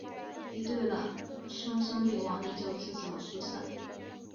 一对孪生兄弟王利就自小失散。